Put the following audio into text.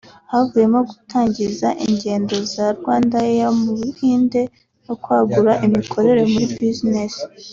havuyemo gutangiza ingendo za RwandAir mu Buhinde no kwagura imikorere muri buzinesi